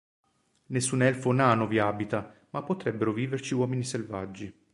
Nessun Elfo o Nano vi abita, ma potrebbero viverci Uomini selvaggi.